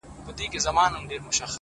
دا به چيري خيرن سي؛